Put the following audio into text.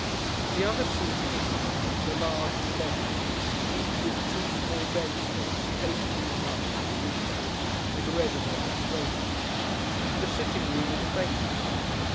The other sleeping apartments are large and lofty; each with two small bedsteads, tastefully hung, like the windows, with red and white drapery. The sitting room is famous.